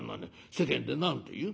世間で何と言う？